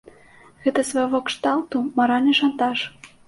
Гэта свайго кшталту маральны шантаж.